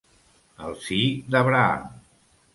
El si d'Abraham.